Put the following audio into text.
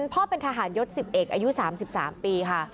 พ่อเป็นทหารยศ๑๑อายุ๓๓ปีค่ะ